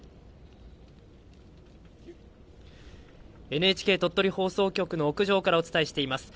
ＮＨＫ鳥取放送局の屋上からお伝えしています。